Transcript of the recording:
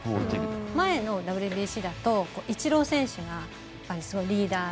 前のＷＢＣだとイチロー選手がリーダーで。